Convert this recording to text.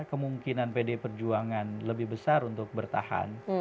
kemungkinan pdi perjuangan lebih besar untuk bertahan